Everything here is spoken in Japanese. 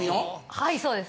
はいそうです。